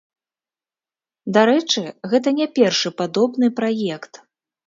Дарэчы, гэта не першы падобны праект.